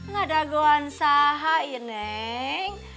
nggak daguan sahai neng